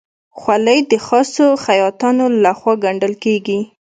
خولۍ د خاصو خیاطانو لهخوا ګنډل کېږي.